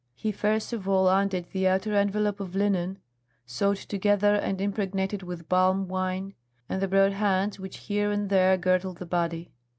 He first of all undid the outer envelope of linen, sewed together and impregnated with palm wine, and the broad bands which here and there girdled the body.